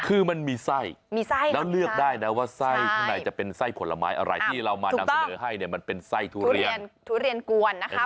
คือมันมีไส้แล้วเลือกได้แล้วไส้ไหนจะเป็นใส้ผลไม้อะไรวิธีเรามาจะให้เป็นทุเรียนทุเรียนกวนนะคะ